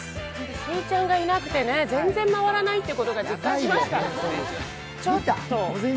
栞里ちゃんがいなくて全然回らないということ、実感しました